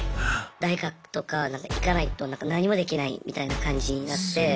大学とか行かないと何もできないみたいな感じになって。